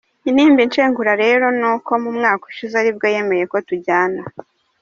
Intimba inshengura rero, nuko mu mwaka ushize aribwo yemeye ko tujyana.